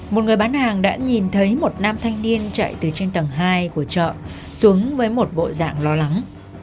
một người bán hàng đã nhìn thấy một nam thanh niên chạy từ trên tầng hai của chợ xuống với một bộ dạng lo lắng